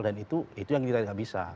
dan itu yang kita tidak bisa